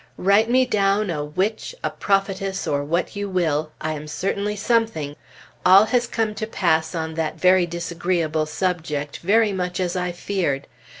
Write me down a witch, a prophetess, or what you will. I am certainly something! All has come to pass on that very disagreeable subject very much as I feared.